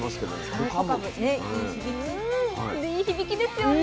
うんいい響きですよね。